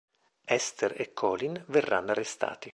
Esther e Colin verranno arrestati.